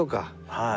はい。